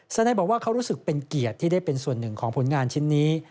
นายบอกว่าเขารู้สึกเป็นเกียรติที่ได้เป็นส่วนหนึ่งของผลงานชิ้นนี้